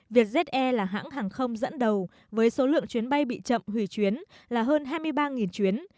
vietjet air là hãng hàng không dẫn đầu với số lượng chuyến bay bị chậm hủy chuyến là hơn hai mươi ba chuyến